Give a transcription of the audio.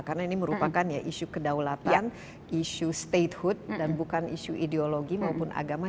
karena ini merupakan issue kedaulatan issue statehood dan bukan issue ideologi maupun agama